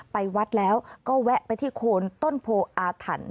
ไปวัดแล้วก็แวะไปที่โคนต้นโพออาถรรพ์